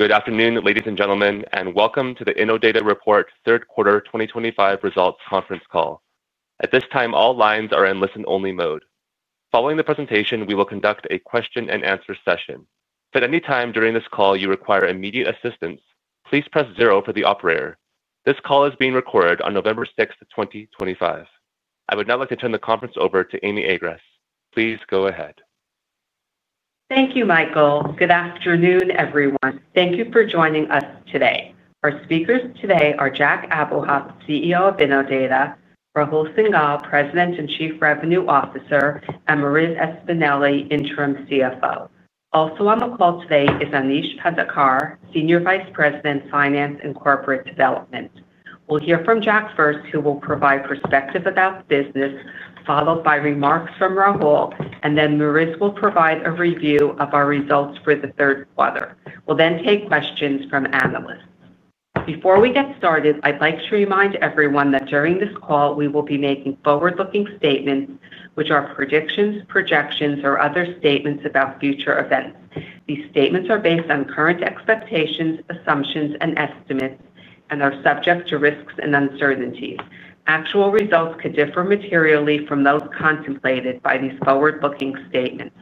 Good afternoon, ladies and gentlemen, and welcome to the Innodata Report, Q3 2025 Results Conference Call. At this time, all lines are in listen-only mode. Following the presentation, we will conduct a Q&A session. If at any time during this call you require immediate assistance, please press zero for the operator. This call is being recorded on November 6th, 2025. I would now like to turn the conference over to Amy Agress. Please go ahead. Thank you, Michael. Good afternoon, everyone. Thank you for joining us today. Our speakers today are Jack Abuhoff, CEO of Innodata; Rahul Sengal, President and Chief Revenue Officer; and Marissa Espineli, Interim CFO. Also on the call today is Aneesh Pendhakar, Senior Vice President, Finance and Corporate Development. We'll hear from Jack first, who will provide perspective about the business, followed by remarks from Rahul, and then Marissa will provide a review of our results for the Q3. We'll then take questions from analysts. Before we get started, I'd like to remind everyone that during this call, we will be making forward-looking statements, which are predictions, projections, or other statements about future events. These statements are based on current expectations, assumptions, and estimates, and are subject to risks and uncertainties. Actual results could differ materially from those contemplated by these forward-looking statements.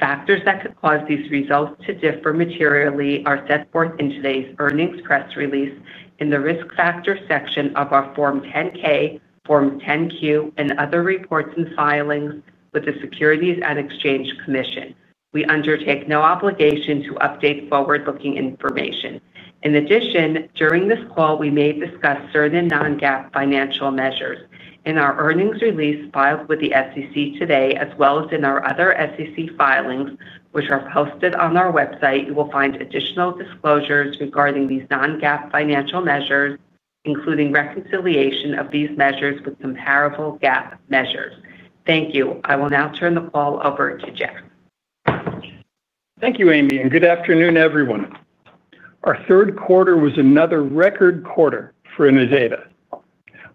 Factors that could cause these results to differ materially are set forth in today's earnings press release in the risk factor section of our Form 10-K, Form 10-Q, and other reports and filings with the Securities and Exchange Commission. We undertake no obligation to update forward-looking information. In addition, during this call, we may discuss certain non-GAAP financial measures. In our earnings release filed with the SEC today, as well as in our other SEC filings, which are posted on our website, you will find additional disclosures regarding these non-GAAP financial measures, including reconciliation of these measures with comparable GAAP measures. Thank you. I will now turn the call over to Jack. Thank you, Amy, and good afternoon, everyone. Our Q3 was another record quarter for Innodata.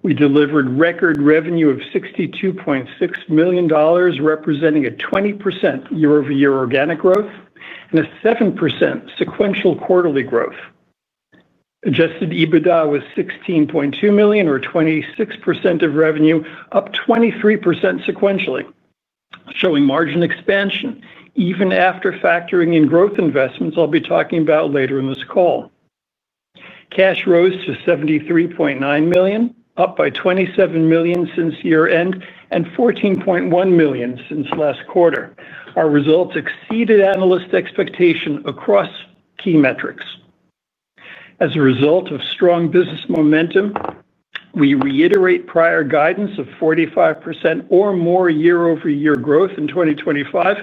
We delivered record revenue of $62.6 million, representing a 20% year-over-year organic growth and a 7% sequential quarterly growth. Adjusted EBITDA was $16.2 million, or 26% of revenue, up 23% sequentially, showing margin expansion even after factoring in growth investments I'll be talking about later in this call. Cash rose to $73.9 million, up by $27 million since year-end and $14.1 million since last quarter. Our results exceeded analyst expectation across key metrics. As a result of strong business momentum, we reiterate prior guidance of 45% or more year-over-year growth in 2025,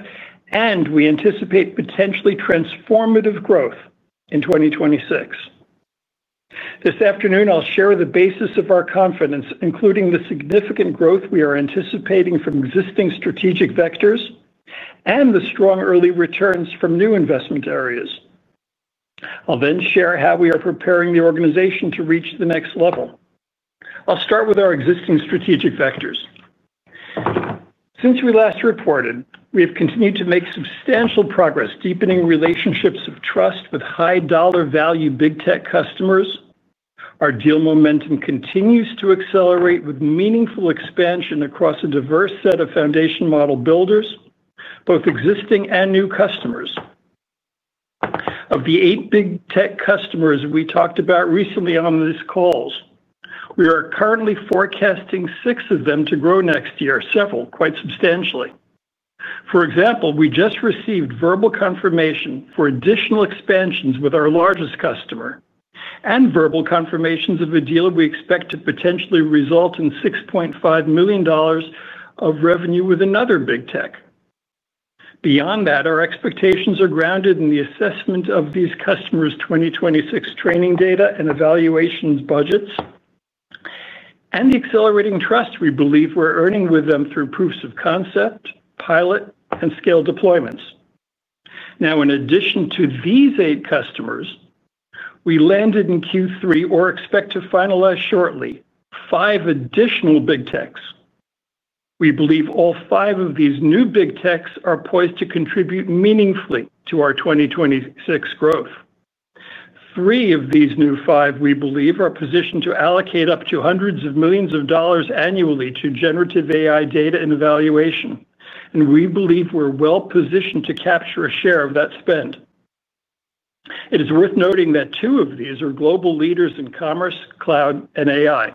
and we anticipate potentially transformative growth in 2026. This afternoon, I'll share the basis of our confidence, including the significant growth we are anticipating from existing strategic vectors and the strong early returns from new investment areas. I'll then share how we are preparing the organization to reach the next level. I'll start with our existing strategic vectors. Since we last reported, we have continued to make substantial progress, deepening relationships of trust with high-dollar-value big tech customers. Our deal momentum continues to accelerate with meaningful expansion across a diverse set of foundation model builders, both existing and new customers. Of the eight big tech customers we talked about recently on these calls, we are currently forecasting six of them to grow next year, several quite substantially. For example, we just received verbal confirmation for additional expansions with our largest customer and verbal confirmations of a deal we expect to potentially result in $6.5 million of revenue with another big tech. Beyond that, our expectations are grounded in the assessment of these customers' 2026 training data and evaluations budgets. The accelerating trust we believe we're earning with them through proofs of concept, pilot, and scale deployments. Now, in addition to these eight customers, we landed in Q3, or expect to finalize shortly, five additional big techs. We believe all five of these new big techs are poised to contribute meaningfully to our 2026 growth. Three of these new five, we believe, are positioned to allocate up to hundreds of millions of dollars annually to generative AI data and evaluation, and we believe we're well-positioned to capture a share of that spend. It is worth noting that two of these are global leaders in commerce, cloud, and AI.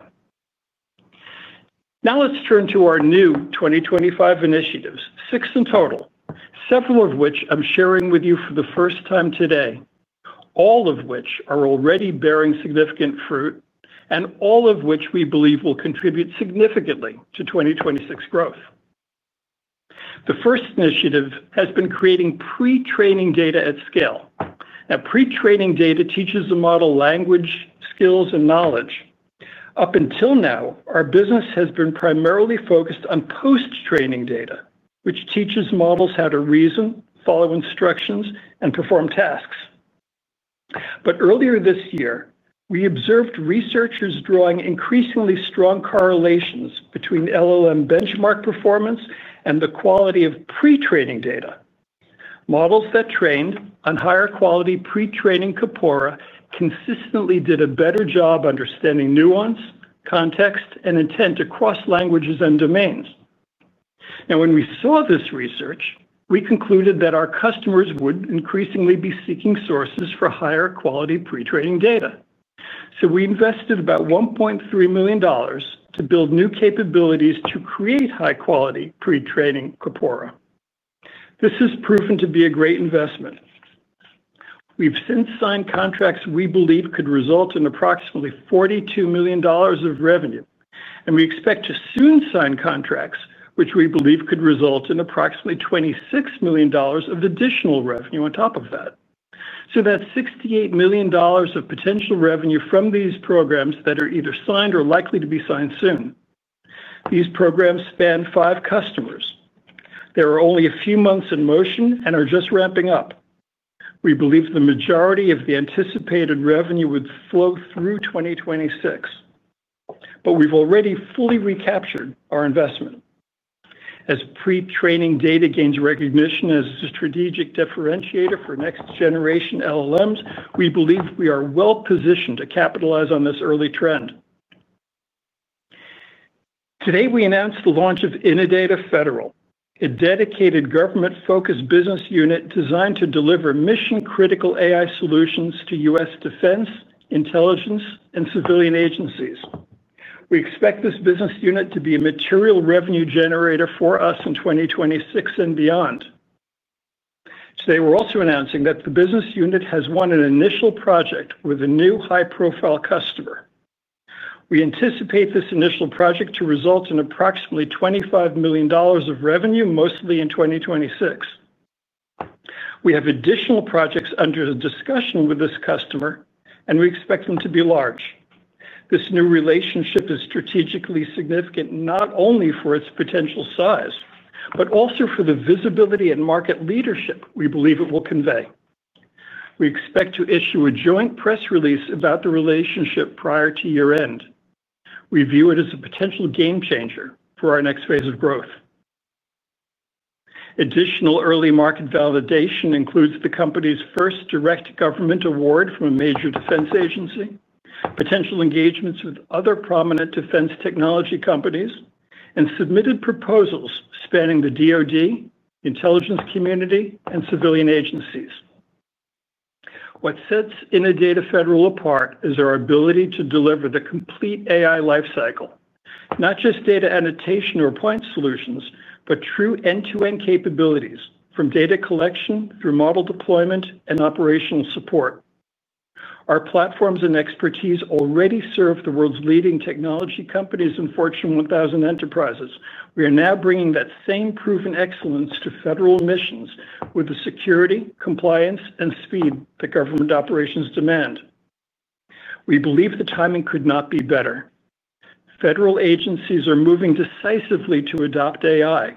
Now let's turn to our new 2025 initiatives, six in total, several of which I'm sharing with you for the first time today, all of which are already bearing significant fruit and all of which we believe will contribute significantly to 2026 growth. The first initiative has been creating pre-training data at scale. Now, pre-training data teaches the model language, skills, and knowledge. Up until now, our business has been primarily focused on post-training data, which teaches models how to reason, follow instructions, and perform tasks. Earlier this year, we observed researchers drawing increasingly strong correlations between LLM benchmark performance and the quality of pre-training data. Models that trained on higher-quality pre-training corpora consistently did a better job understanding nuance, context, and intent across languages and domains. Now, when we saw this research, we concluded that our customers would increasingly be seeking sources for higher-quality pre-training data. We invested about $1.3 million to build new capabilities to create high-quality pre-training corpora. This has proven to be a great investment. We've since signed contracts we believe could result in approximately $42 million of revenue, and we expect to soon sign contracts which we believe could result in approximately $26 million of additional revenue on top of that. That is $68 million of potential revenue from these programs that are either signed or likely to be signed soon. These programs span five customers. They're only a few months in motion and are just ramping up. We believe the majority of the anticipated revenue would flow through 2026. We've already fully recaptured our investment. As pre-training data gains recognition as a strategic differentiator for next-generation LLMs, we believe we are well-positioned to capitalize on this early trend. Today, we announced the launch of Innodata Federal, a dedicated government-focused business unit designed to deliver mission-critical AI solutions to U.S. defense, intelligence, and civilian agencies. We expect this business unit to be a material revenue generator for us in 2026 and beyond. Today, we're also announcing that the business unit has won an initial project with a new high-profile customer. We anticipate this initial project to result in approximately $25 million of revenue, mostly in 2026. We have additional projects under discussion with this customer, and we expect them to be large. This new relationship is strategically significant not only for its potential size, but also for the visibility and market leadership we believe it will convey. We expect to issue a joint press release about the relationship prior to year-end. We view it as a potential game changer for our next phase of growth. Additional early market validation includes the company's first direct government award from a major defense agency, potential engagements with other prominent defense technology companies, and submitted proposals spanning the DoD, intelligence community, and civilian agencies. What sets Innodata Federal apart is our ability to deliver the complete AI lifecycle, not just data annotation or point solutions, but true end-to-end capabilities from data collection through model deployment and operational support. Our platforms and expertise already serve the world's leading technology companies and Fortune 1000 enterprises. We are now bringing that same proven excellence to federal missions with the security, compliance, and speed that government operations demand. We believe the timing could not be better. Federal agencies are moving decisively to adopt AI.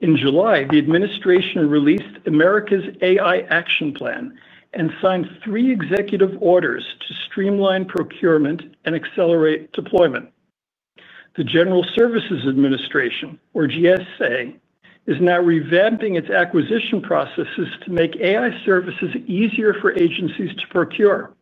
In July, the administration released America's AI Action Plan and signed three executive orders to streamline procurement and accelerate deployment. The General Services Administration, or GSA, is now revamping its acquisition processes to make AI services easier for agencies to procure.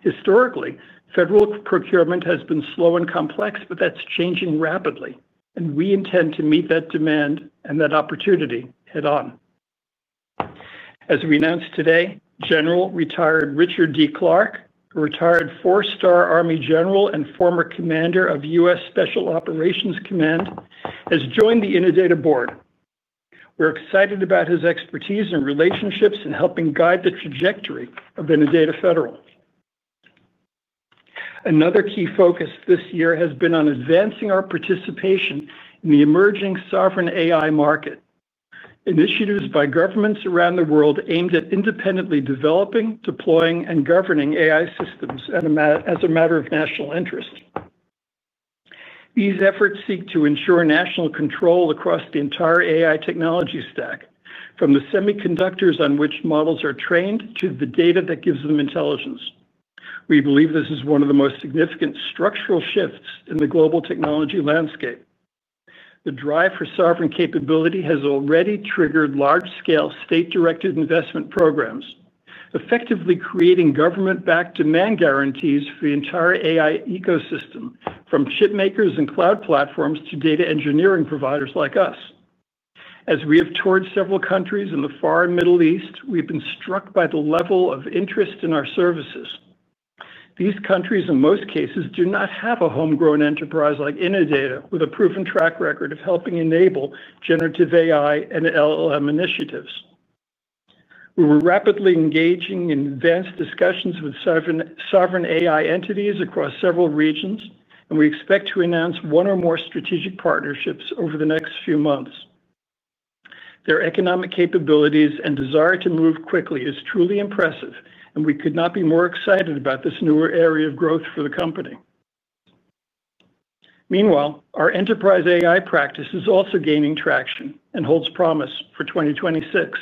Historically, federal procurement has been slow and complex, but that's changing rapidly, and we intend to meet that demand and that opportunity head-on. As we announced today, General Retired Richard D. Clark, a retired four-star Army General and former Commander of U.S. Special Operations Command, has joined the Innodata Board. We're excited about his expertise and relationships in helping guide the trajectory of Innodata Federal. Another key focus this year has been on advancing our participation in the emerging sovereign AI market. Initiatives by governments around the world aimed at independently developing, deploying, and governing AI systems as a matter of national interest. These efforts seek to ensure national control across the entire AI technology stack, from the semiconductors on which models are trained to the data that gives them intelligence. We believe this is one of the most significant structural shifts in the global technology landscape. The drive for sovereign capability has already triggered large-scale state-directed investment programs, effectively creating government-backed demand guarantees for the entire AI ecosystem, from chipmakers and cloud platforms to data engineering providers like us. As we have toured several countries in the far Middle East, we've been struck by the level of interest in our services. These countries, in most cases, do not have a homegrown enterprise like Innodata, with a proven track record of helping enable generative AI and LLM initiatives. We were rapidly engaging in advanced discussions with sovereign AI entities across several regions, and we expect to announce one or more strategic partnerships over the next few months. Their economic capabilities and desire to move quickly is truly impressive, and we could not be more excited about this new area of growth for the company. Meanwhile, our enterprise AI practice is also gaining traction and holds promise for 2026.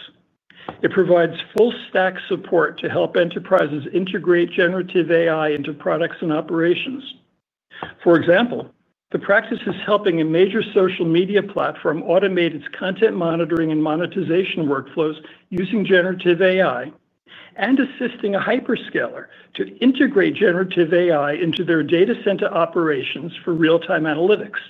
It provides full-stack support to help enterprises integrate generative AI into products and operations. For example, the practice is helping a major social media platform automate its content monitoring and monetization workflows using generative AI and assisting a hyperscaler to integrate generative AI into their data center operations for real-time analytics.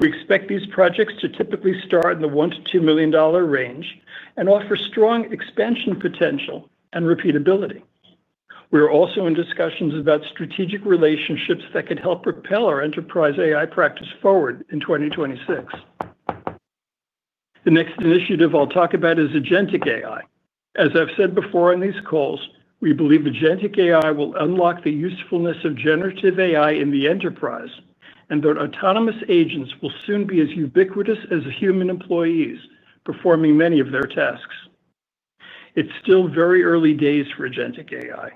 We expect these projects to typically start in the $1-$2 million range and offer strong expansion potential and repeatability. We are also in discussions about strategic relationships that could help propel our enterprise AI practice forward in 2026. The next initiative I'll talk about is Agentic AI. As I've said before on these calls, we believe Agentic AI will unlock the usefulness of generative AI in the enterprise, and their autonomous agents will soon be as ubiquitous as human employees performing many of their tasks. It's still very early days for Agentic AI.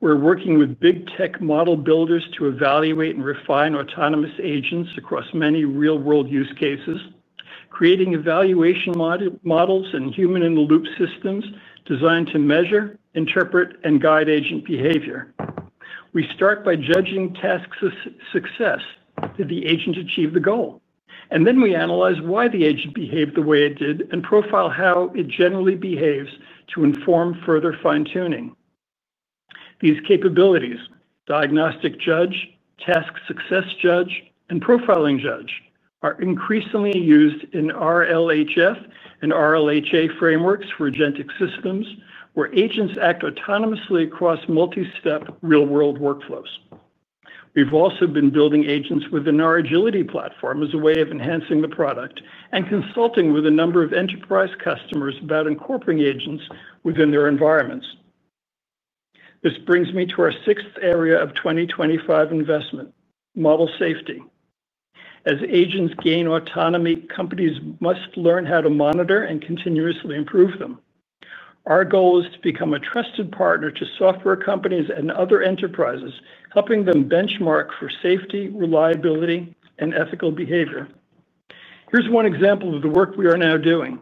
We're working with big tech model builders to evaluate and refine autonomous agents across many real-world use cases, creating evaluation models and human-in-the-loop systems designed to measure, interpret, and guide agent behavior. We start by judging tasks' success, did the agent achieve the goal? We then analyze why the agent behaved the way it did and profile how it generally behaves to inform further fine-tuning. These capabilities, diagnostic judge, task success judge, and profiling judge, are increasingly used in RLHF and RLHA frameworks for agentic systems, where agents act autonomously across multi-step real-world workflows. We've also been building agents within our Agility platform as a way of enhancing the product and consulting with a number of enterprise customers about incorporating agents within their environments. This brings me to our sixth area of 2025 investment, model safety. As agents gain autonomy, companies must learn how to monitor and continuously improve them. Our goal is to become a trusted partner to software companies and other enterprises, helping them benchmark for safety, reliability, and ethical behavior. Here's one example of the work we are now doing.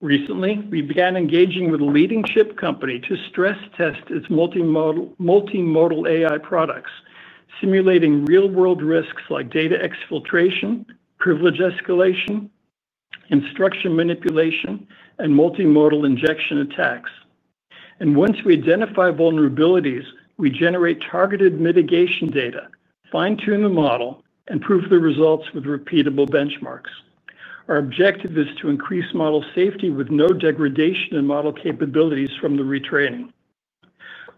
Recently, we began engaging with a leading chip company to stress-test its multimodal AI products, simulating real-world risks like data exfiltration, privilege escalation, instruction manipulation, and multimodal injection attacks. Once we identify vulnerabilities, we generate targeted mitigation data, fine-tune the model, and prove the results with repeatable benchmarks. Our objective is to increase model safety with no degradation in model capabilities from the retraining.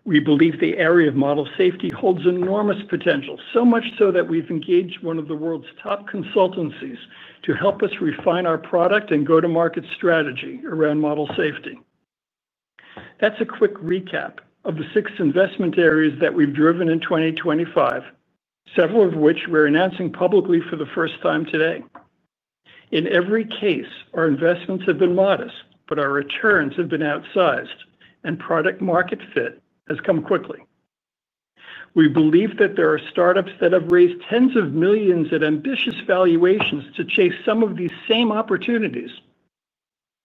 We believe the area of model safety holds enormous potential, so much so that we've engaged one of the world's top consultancies to help us refine our product and go-to-market strategy around model safety. That is a quick recap of the six investment areas that we've driven in 2025, several of which we're announcing publicly for the first time today. In every case, our investments have been modest, but our returns have been outsized, and product-market fit has come quickly. We believe that there are startups that have raised tens of millions at ambitious valuations to chase some of these same opportunities.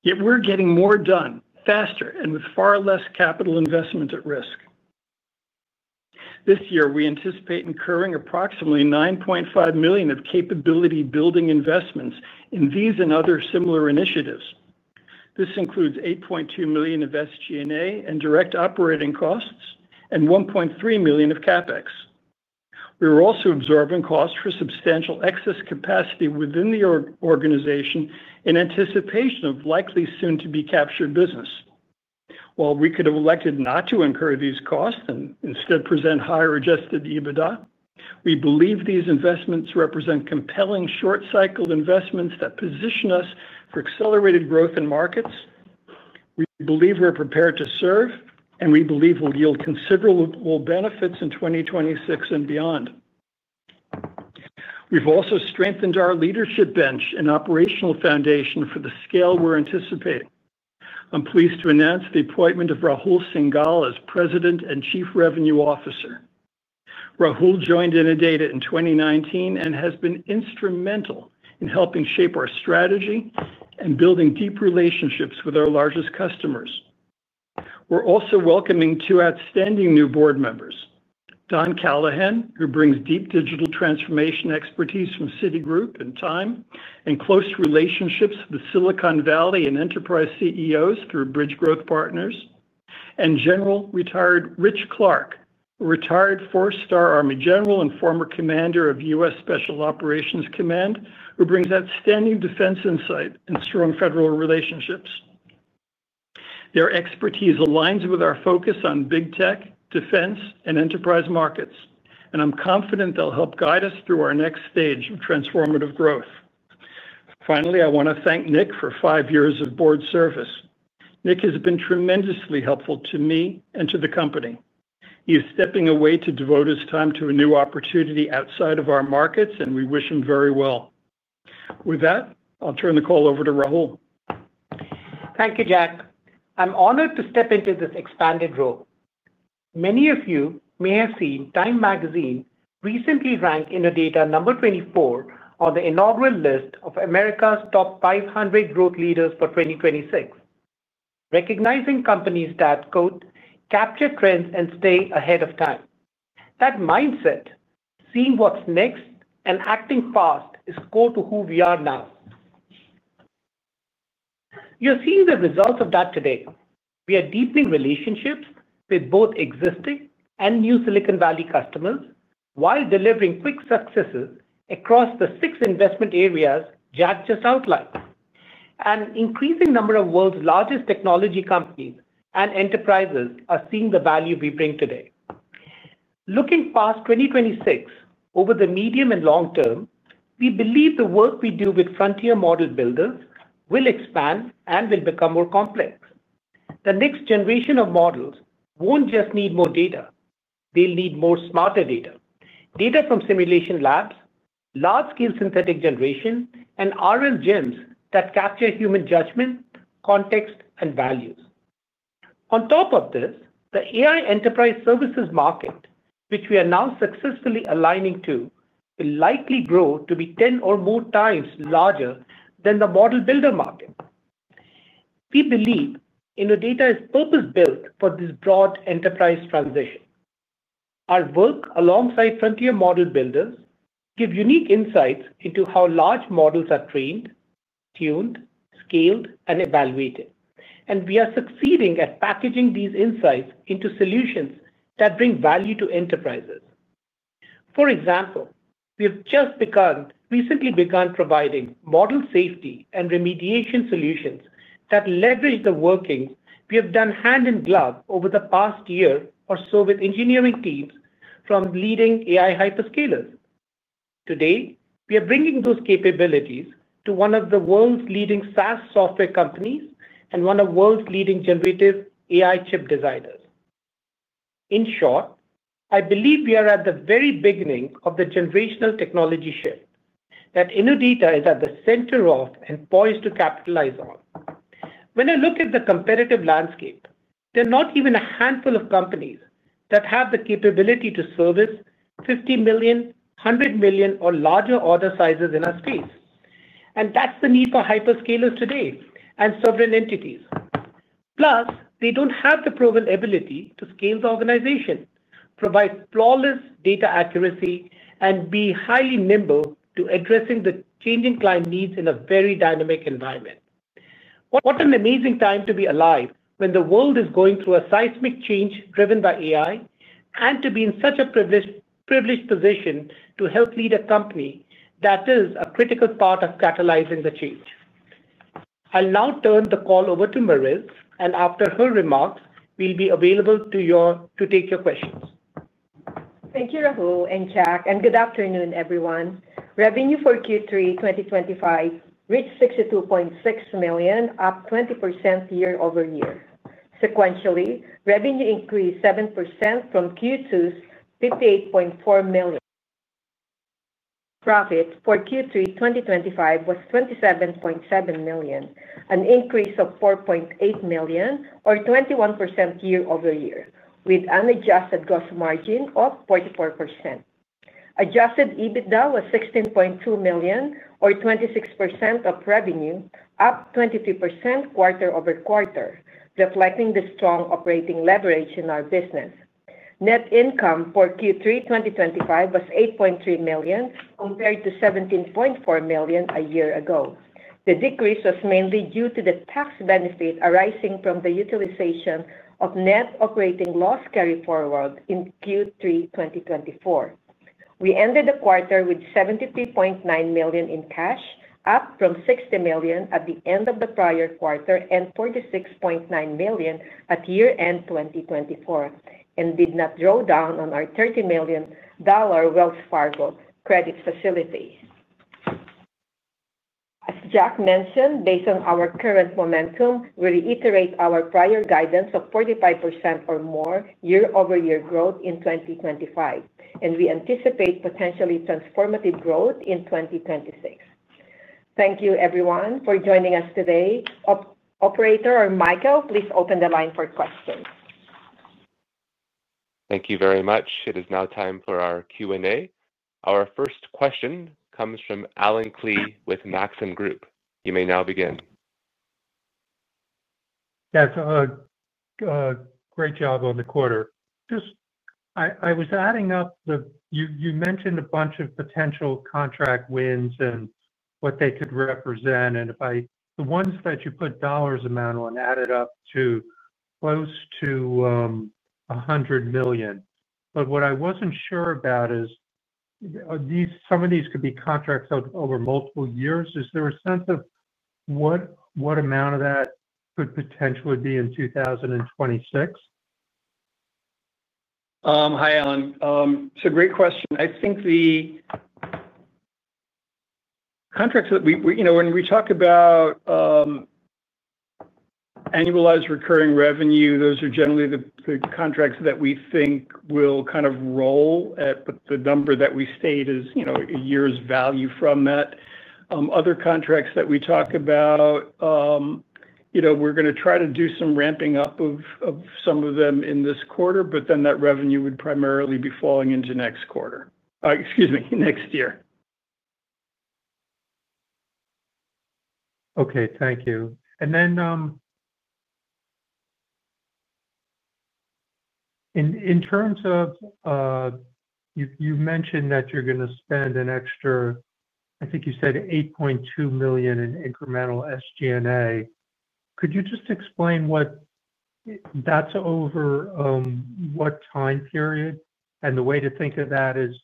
Yet we're getting more done, faster, and with far less capital investment at risk. This year, we anticipate incurring approximately $9.5 million of capability-building investments in these and other similar initiatives. This includes $8.2 million of SG&A and direct operating costs and $1.3 million of CapEx. We were also observing costs for substantial excess capacity within the organization in anticipation of likely soon-to-be-captured business. While we could have elected not to incur these costs and instead present higher adjusted EBITDA, we believe these investments represent compelling short-cycle investments that position us for accelerated growth in markets. We believe we're prepared to serve, and we believe we'll yield considerable benefits in 2026 and beyond. We've also strengthened our leadership bench and operational foundation for the scale we're anticipating. I'm pleased to announce the appointment of Rahul Sengal as President and Chief Revenue Officer. Rahul joined Innodata in 2019 and has been instrumental in helping shape our strategy and building deep relationships with our largest customers. We are also welcoming two outstanding new board members, Don Callahan, who brings deep digital transformation expertise from Citigroup and Time, and close relationships with Silicon Valley and enterprise CEOs through Bridge Growth Partners, and General Retired Rich Clark, a retired four-star Army General and former Commander of U.S. Special Operations Command, who brings outstanding defense insight and strong federal relationships. Their expertise aligns with our focus on big tech, defense, and enterprise markets, and I am confident they will help guide us through our next stage of transformative growth. Finally, I want to thank Nick for five years of board service. Nick has been tremendously helpful to me and to the company. He is stepping away to devote his time to a new opportunity outside of our markets, and we wish him very well. With that, I'll turn the call over to Rahul. Thank you, Jack. I'm honored to step into this expanded role. Many of you may have seen Time Magazine recently rank Innodata No. 24 on the inaugural list of America's Top 500 Growth Leaders for 2026. Recognizing companies that quote "capture trends and stay ahead of time," that mindset, seeing what's next, and acting fast is core to who we are now. You're seeing the results of that today. We are deepening relationships with both existing and new Silicon Valley customers while delivering quick successes across the six investment areas Jack just outlined. An increasing number of world's largest technology companies and enterprises are seeing the value we bring today. Looking past 2026, over the medium and long term, we believe the work we do with frontier model builders will expand and will become more complex. The next generation of models won't just need more data; they'll need more smarter data, data from simulation labs, large-scale synthetic generation, and RL gems that capture human judgment, context, and values. On top of this, the AI enterprise services market, which we are now successfully aligning to, will likely grow to be 10 or more times larger than the model builder market. We believe Innodata is purpose-built for this broad enterprise transition. Our work alongside frontier model builders gives unique insights into how large models are trained, tuned, scaled, and evaluated, and we are succeeding at packaging these insights into solutions that bring value to enterprises. For example, we have just recently begun providing model safety and remediation solutions that leverage the workings we have done hand in glove over the past year or so with engineering teams from leading AI hyperscalers. Today, we are bringing those capabilities to one of the world's leading SaaS software companies and one of the world's leading generative AI chip designers. In short, I believe we are at the very beginning of the generational technology shift that Innodata is at the center of and poised to capitalize on. When I look at the competitive landscape, there are not even a handful of companies that have the capability to service $50 million, $100 million, or larger order sizes in our space. That is the need for hyperscalers today and sovereign entities. Plus, they don't have the proven ability to scale the organization, provide flawless data accuracy, and be highly nimble to addressing the changing client needs in a very dynamic environment. What an amazing time to be alive when the world is going through a seismic change driven by AI and to be in such a privileged position to help lead a company that is a critical part of catalyzing the change. I'll now turn the call over to Marissa, and after her remarks, we'll be available to take your questions. Thank you, Rahul and Jack, and good afternoon, everyone. Revenue for Q3 2025 reached $62.6 million, up 20% year-over-year. Sequentially, revenue increased 7% from Q2's $58.4 million. Profit for Q3 2025 was $27.7 million, an increase of $4.8 million, or 21% year-over-year, with an adjusted gross margin of 44%. Adjusted EBITDA was $16.2 million, or 26% of revenue, up 23% quarter-over-quarter, reflecting the strong operating leverage in our business. Net income for Q3 2025 was $8.3 million compared to $17.4 million a year ago. The decrease was mainly due to the tax benefit arising from the utilization of net operating loss carry forward in Q3 2024. We ended the quarter with $73.9 million in cash, up from $60 million at the end of the prior quarter and $46.9 million at year-end 2024, and did not draw down on our $30 million Wells Fargo credit facility. As Jack mentioned, based on our current momentum, we reiterate our prior guidance of 45% or more year-over-year growth in 2025, and we anticipate potentially transformative growth in 2026. Thank you, everyone, for joining us today. Operator or Michael, please open the line for questions. Thank you very much. It is now time for our Q&A. Our first question comes from Allen Klee with Maxim Group. You may now begin. Yeah. Great job on the quarter. Just I was adding up the you mentioned a bunch of potential contract wins and what they could represent, and if I the ones that you put dollars amount on added up to. Close to. $100 million. But what I wasn't sure about is. Some of these could be contracts over multiple years. Is there a sense of what amount of that could potentially be in 2026? Hi, Alan. It's a great question. I think the. Contracts that we when we talk about. Annualized recurring revenue, those are generally the contracts that we think will kind of roll at the number that we state is a year's value from that. Other contracts that we talk about. We're going to try to do some ramping up of some of them in this quarter, but then that revenue would primarily be falling into next quarter. Excuse me, next year. Okay. Thank you. In terms of, you mentioned that you're going to spend an extra, I think you said $8.2 million in incremental SG&A. Could you just explain what that's over? What time period? The way to think of that is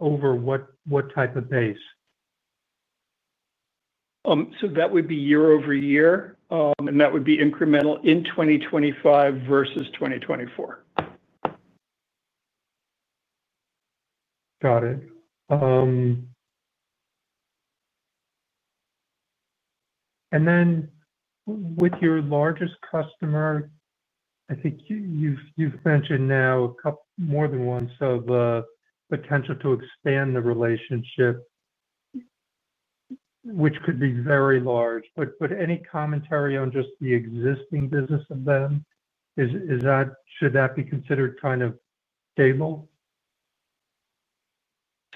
over what type of base? That would be year-over-year, and that would be incremental in 2025 versus 2024. Got it. With your largest customer, I think you've mentioned now more than once the potential to expand the relationship, which could be very large. Any commentary on just the existing business with them? Should that be considered kind of stable?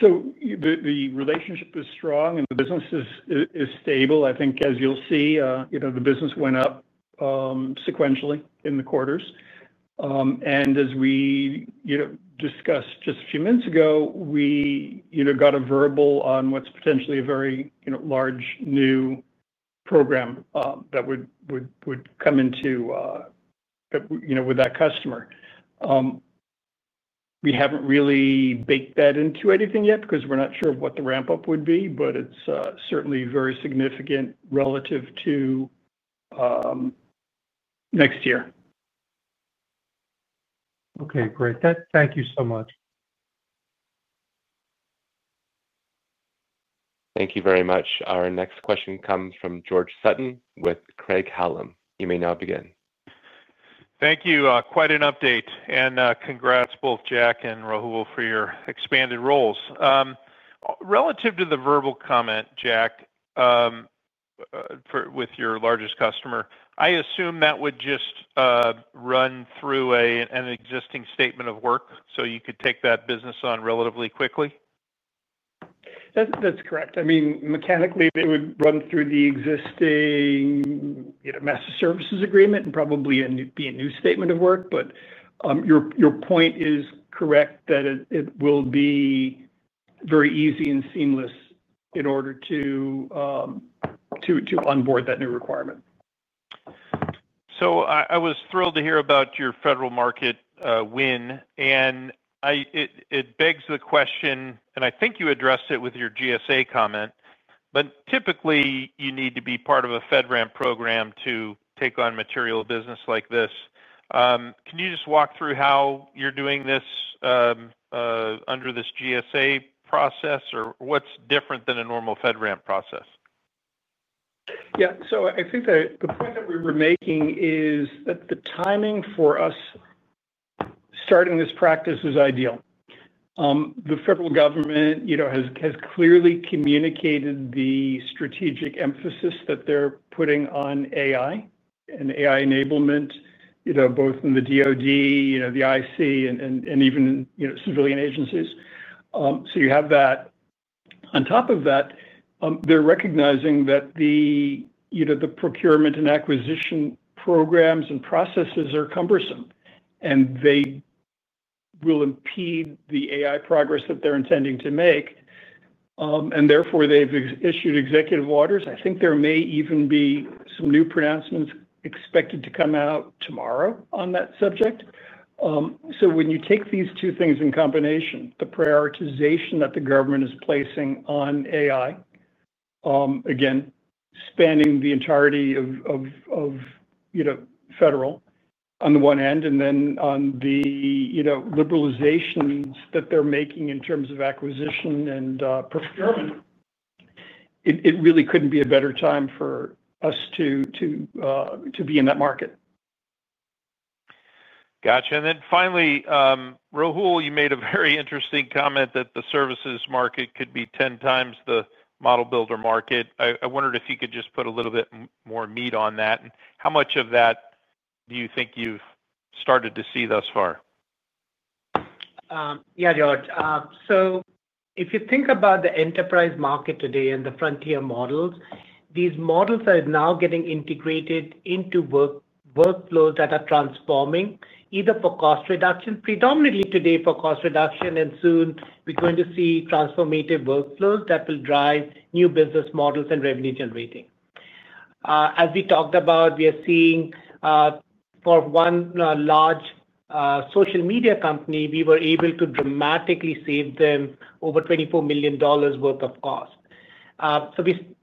The relationship is strong, and the business is stable. I think, as you'll see, the business went up sequentially in the quarters. And as we discussed just a few minutes ago, we got a verbal on what's potentially a very large new program that would come into with that customer. We haven't really baked that into anything yet because we're not sure what the ramp-up would be, but it's certainly very significant relative to next year. Okay. Great. Thank you so much. Thank you very much. Our next question comes from George Sutton with Craig-Hallum. You may now begin. Thank you. Quite an update. And congrats both Jack and Rahul for your expanded roles. Relative to the verbal comment, Jack, with your largest customer, I assume that would just run through an existing statement of work so you could take that business on relatively quickly? That's correct. I mean, mechanically, it would run through the existing. Master services agreement and probably be a new statement of work. Your point is correct that it will be very easy and seamless in order to onboard that new requirement. I was thrilled to hear about your federal market win. It begs the question, and I think you addressed it with your GSA comment, but typically, you need to be part of a FedRAMP program to take on material business like this. Can you just walk through how you're doing this under this GSA process, or what's different than a normal FedRAMP process? Yeah. I think the point that we were making is that the timing for us starting this practice is ideal. The federal government has clearly communicated the strategic emphasis that they're putting on AI and AI enablement, both in the DOD, the IC, and even civilian agencies. You have that. On top of that, they're recognizing that the procurement and acquisition programs and processes are cumbersome, and they will impede the AI progress that they're intending to make. Therefore, they've issued executive orders. I think there may even be some new pronouncements expected to come out tomorrow on that subject. When you take these two things in combination, the prioritization that the government is placing on AI, again, spanning the entirety of federal, on the one hand, and then on the liberalizations that they're making in terms of acquisition and procurement, it really couldn't be a better time for us to be in that market. Gotcha. Finally, Rahul, you made a very interesting comment that the services market could be 10x the model builder market. I wondered if you could just put a little bit more meat on that, and how much of that. Do you think you've started to see thus far? Yeah, George. If you think about the enterprise market today and the frontier models, these models are now getting integrated into workflows that are transforming, either for cost reduction, predominantly today for cost reduction, and soon we're going to see transformative workflows that will drive new business models and revenue-generating. As we talked about, we are seeing. For one large social media company, we were able to dramatically save them over $24 million worth of cost.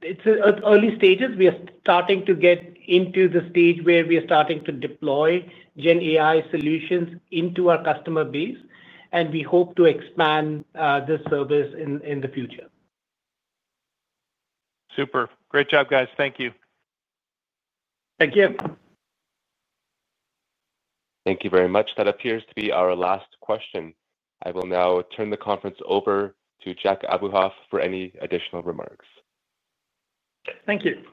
It's early stages. We are starting to get into the stage where we are starting to deploy GenAI solutions into our customer base, and we hope to expand this service in the future. Super. Great job, guys. Thank you. Thank you. Thank you very much. That appears to be our last question. I will now turn the conference over to Jack Abuhoff for any additional remarks. Thank you.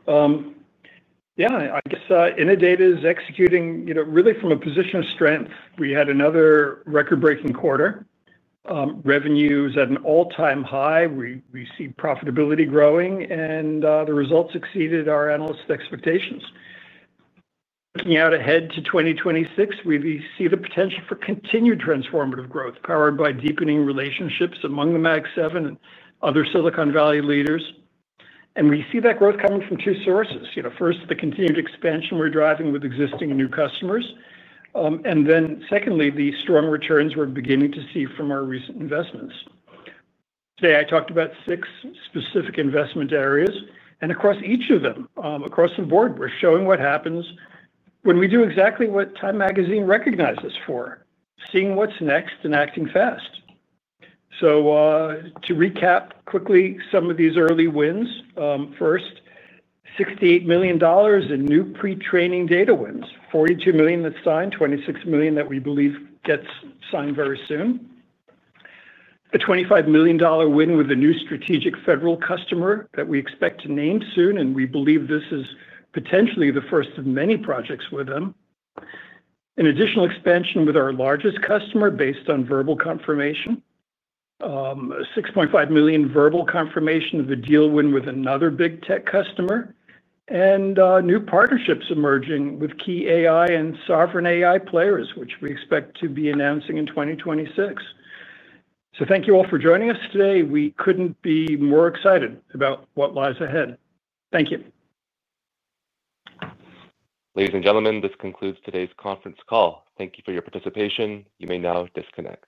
Yeah. I guess Innodata is executing really from a position of strength. We had another record-breaking quarter. Revenue is at an all-time high. We see profitability growing, and the results exceeded our analyst expectations. Looking out ahead to 2026, we see the potential for continued transformative growth powered by deepening relationships among the Mag 7 and other Silicon Valley leaders. We see that growth coming from two sources. First, the continued expansion we're driving with existing and new customers. Then secondly, the strong returns we're beginning to see from our recent investments. Today, I talked about six specific investment areas. Across each of them, across the board, we're showing what happens when we do exactly what Time Magazine recognizes us for, seeing what's next and acting fast. To recap quickly some of these early wins. First, $68 million in new pre-training data wins, $42 million that's signed, $26 million that we believe gets signed very soon. A $25 million win with a new strategic federal customer that we expect to name soon, and we believe this is potentially the first of many projects with them. An additional expansion with our largest customer based on verbal confirmation. $6.5 million verbal confirmation of the deal win with another big tech customer. New partnerships emerging with key AI and sovereign AI players, which we expect to be announcing in 2026. Thank you all for joining us today. We could not be more excited about what lies ahead. Thank you. Ladies and gentlemen, this concludes today's conference call. Thank you for your participation. You may now disconnect.